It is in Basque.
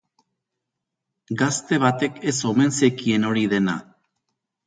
Gazte batek ez omen zekien hori dena.